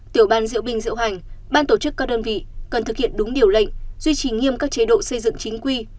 tiểu ban diễu binh diễu hành ban tổ chức các đơn vị cần thực hiện đúng điều lệnh duy trì nghiêm các chế độ xây dựng chính quy